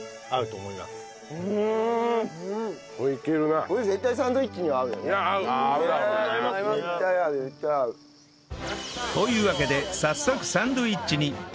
というわけで早速サンドウィッチに